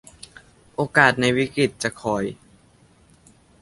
โอกาสในวิกฤตจะค่อย